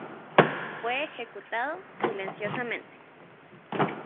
Fue ejecutado silenciosamente.